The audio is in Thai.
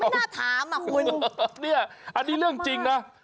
น่าถามอ่ะคุณเนี่ยอันนี้เรื่องจริงนะ